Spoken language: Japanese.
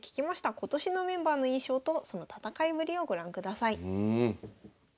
今年のメンバーの印象とその戦いぶりをご覧ください。